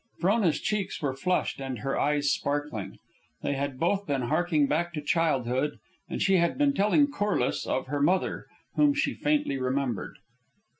Frona's cheeks were flushed and her eyes sparkling. They had both been harking back to childhood, and she had been telling Corliss of her mother, whom she faintly remembered.